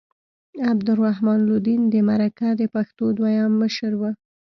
عبدالرحمن لودین د مرکه د پښتو دویم مشر و.